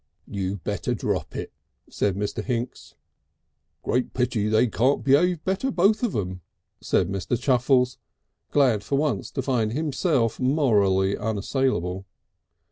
"You better drop it," said Mr. Hinks. "Great pity they can't be'ave better, both of 'em," said Mr. Chuffles, glad for once to find himself morally unassailable.